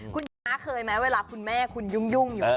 คุณชนะเคยไหมเวลาคุณแม่คุณยุ่งอยู่